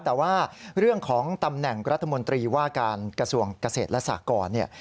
แต่ว่าเรื่องของตำแหน่งรัฐมนตรีว่าการกระทรวงเกษตรและสากรเนี่ย